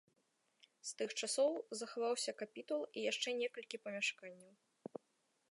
З тых часоў захаваўся капітул і яшчэ некалькі памяшканняў.